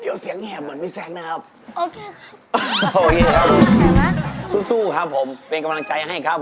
เดี๋ยวเสียงแหบเหมือนมิ้นแซ้งนะครับ